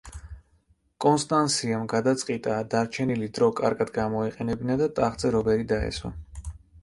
კონსტანსიამ გადაწყიტა დარჩენილი დრო კარგად გამოეყენებინა და ტახტზე რობერი დაესვა.